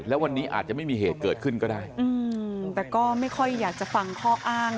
แล้ววันนี้อาจจะไม่มีเหตุเกิดขึ้นก็ได้แต่ก็ไม่ค่อยอยากจะฟังข้ออ้าง